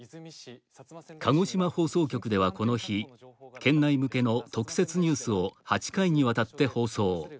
鹿児島放送局ではこの日県内向けの特設ニュースを８回にわたって放送。